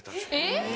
えっ！